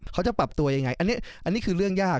เขาจะปรับตัวยังไงอันนี้คือเรื่องยาก